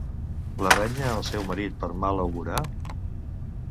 La renya el seu marit per mal augurar?